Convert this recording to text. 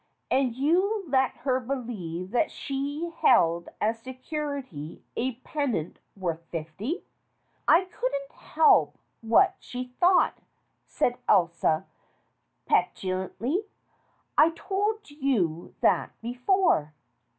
"And you let her believe that she held as security a pendant worth fifty?" "I couldn't help what she thought," said Elsa petu lantly. "I told you that before."